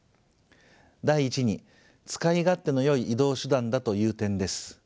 第１に使い勝手のよい移動手段だという点です。